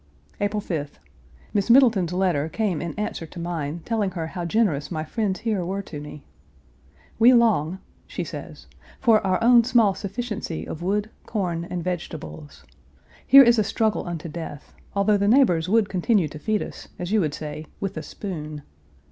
April 5th. Miss Middleton's letter came in answer to mine, telling her how generous my friends here were to me. "We long," she says, "for our own small sufficiency of wood, corn, and vegetables. Here is a struggle unto death, although the neighbors continue to feed us, as you would say, 'with a spoon.'